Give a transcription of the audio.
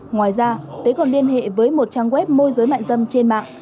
ngoài ra tế còn liên hệ với một trang web môi giới mại dâm trên mạng